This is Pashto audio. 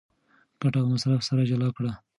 ګټه او مصرف سره جلا کړه.